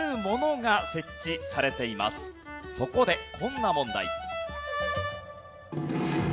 そこでこんな問題。